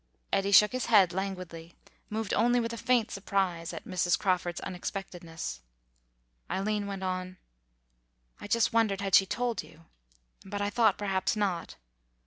Eddy shook his head, languidly, moved only with a faint surprise at Mrs. Crawford's unexpectedness. Eileen went on, "I just wondered had she told you. But I thought perhaps not....